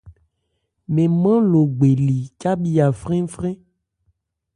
Mɛn nman Logbe li cábhiya frɛ́nfrɛ́n.